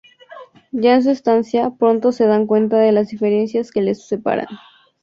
Ya en su estancia, pronto se dan cuenta de las diferencias que les separan.